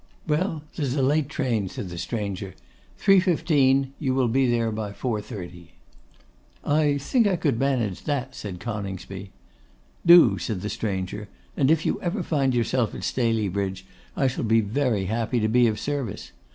'Well, there's a late train,' said the stranger, '3.15; you will be there by 4.30.' 'I think I could manage that,' said Coningsby. 'Do,' said the stranger; 'and if you ever find yourself at Staleybridge, I shall be very happy to be of service.